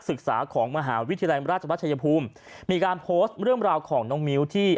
ศึกษาของมหาวิทยาลัยราชวัชยภูมิมีการโพสต์เรื่องราวของน้องมิ้วที่